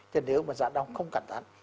thì nếu mà rã đông không cẩn thận